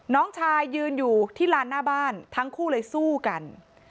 น้องชายยืนอยู่ที่ลานหน้าบ้านทั้งคู่เลยสู้กัน